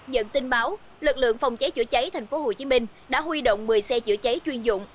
nhận tin báo lực lượng phòng cháy chữa cháy tp hcm đã huy động một mươi xe chữa cháy chuyên dụng